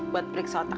buat periksa otak